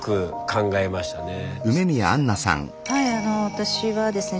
私はですね